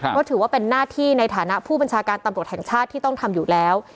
เพราะถือว่าเป็นหน้าที่ในฐานะผู้บัญชาการตำรวจแห่งชาติที่ต้องทำอยู่แล้ว